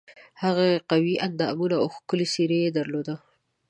هغه قوي اندامونه او ښکلې څېره یې درلوده.